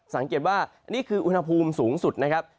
สังเกตว่านี่คืออุณหภูมิสูงสุดนะครับ